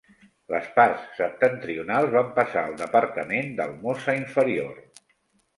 Les parts septentrionals van passar al departament del Mosa Inferior.